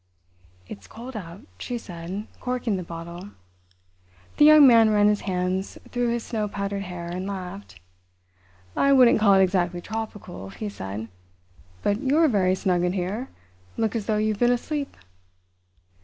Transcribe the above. "It's cold out," she said, corking the bottle. The Young Man ran his hands through his snow powdered hair and laughed. "I wouldn't call it exactly tropical," he said. "But you're very snug in here—look as though you've been asleep."